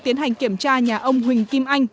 tiến hành kiểm tra nhà ông huỳnh kim anh